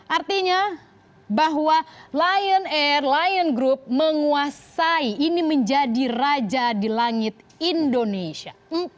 artinya bahwa lion air lion group menguasai ini menjadi raja di langit indonesia